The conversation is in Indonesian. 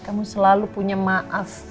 kamu selalu punya maaf